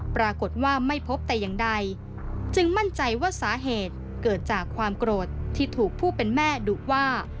ปรากฏว่าไม่พบแต่อย่างใดจึงมั่นใจว่าสาเหตุเกิดจากความโกรธที่ถูกผู้เป็นแม่ดุว่า